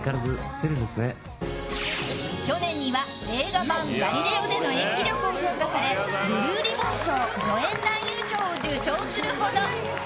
去年には映画版「ガリレオ」での演技力を評価されブルーリボン賞助演男優賞を受賞するほど！